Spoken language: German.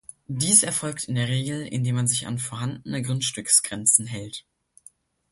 Dies erfolgt in der Regel, indem man sich an vorhandene Grundstücksgrenzen hält.